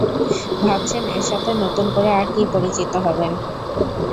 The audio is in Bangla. ভাবছেন এর সাথে নতুন করে আর কি পরিচিত হবেন?